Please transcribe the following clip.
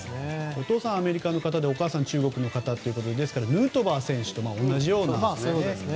お父さんはアメリカの方でお母さんは中国の方とですからヌートバー選手と同じような形ですね。